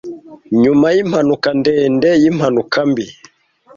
nyuma yimpanuka ndende yimpanuka mbi